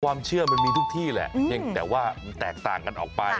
ความเชื่อมันมีทุกที่แหละเพียงแต่ว่ามันแตกต่างกันออกไป